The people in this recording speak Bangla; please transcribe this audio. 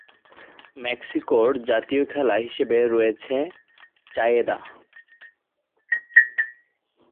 মেক্সিকোর জাতীয় খেলা হিসেবে রয়েছে চারেয়েদা।